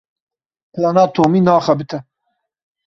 Plana Tomî naxebite.